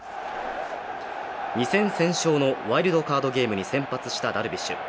２戦先勝のワイルドカードゲームに先発したダルビッシュ。